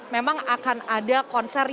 memang akan ada konser yang akan diperlukan